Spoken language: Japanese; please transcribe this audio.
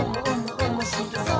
おもしろそう！」